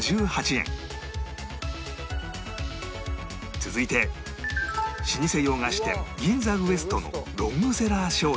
続いて老舗洋菓子店銀座ウエストのロングセラー商品